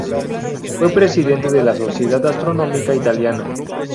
Fue presidente de la "Sociedad Astronómica Italiana".